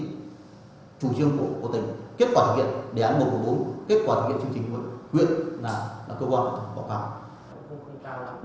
kết quả thực hiện chương trình của huyện là cơ quan báo cáo